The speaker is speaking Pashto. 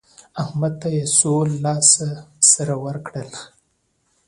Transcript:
احمد ته يې څو لاس سره ورکړل؟